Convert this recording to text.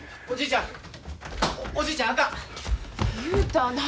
おじいちゃん。